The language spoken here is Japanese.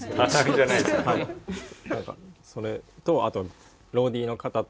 それとあとローディーの方と。